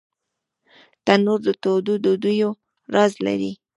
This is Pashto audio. تنور د تودو ډوډیو راز لري